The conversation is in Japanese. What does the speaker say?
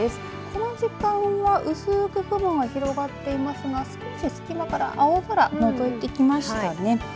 この時間は薄く雲が広がっていますが少し隙間から青空がのぞいてきましたね。